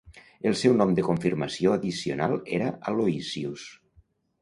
El seu nom de confirmació addicional era Aloysius.